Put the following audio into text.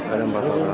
ada empat orang